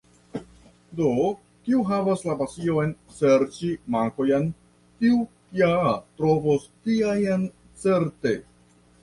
Do, kiu havas la pasion serĉi mankojn, tiu ja trovos tiajn certe.